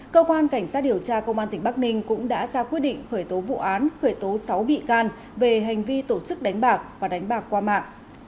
cơ quan cảnh sát điều tra công an tỉnh bắc ninh cũng đã ra quyết định khởi tố vụ án khởi tố sáu bị can về hành vi tổ chức đánh bạc và đánh bạc qua mạng